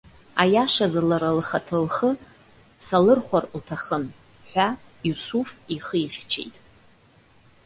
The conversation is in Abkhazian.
Аиашазы, лара лхаҭа лхы салырхәар лҭахын!- ҳәа Иусуф ихы ихьчеит.